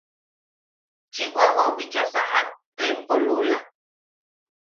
Chiwawau bicha sajak trempo lula.